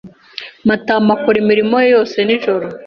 Matama akora imirimo ye yose nijoro.